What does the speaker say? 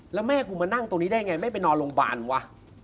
แล้วแม่กูมานั่งตรงนี้ได้ไงไม่ไปนอนโรงพยาบาลวะ